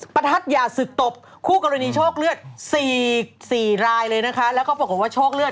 ประทัดอย่าศึกตบคู่กรณีโชคเลือด๔รายเลยนะคะแล้วก็ปรากฏว่าโชคเลือด